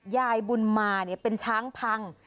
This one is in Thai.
ยายบุญมาเนี่ยเป็นช้างพัง